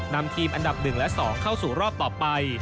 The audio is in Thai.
นำทีมอันดับ๑และ๒เข้าสู่รอบต่อไป